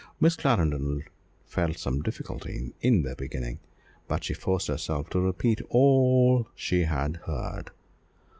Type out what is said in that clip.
Miss Clarendon felt some difficulty in beginning, but she forced herself to repeat all she had heard.